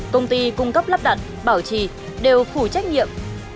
công ty cung cấp lắp đặt bảo trì đều phụ trách nhiệm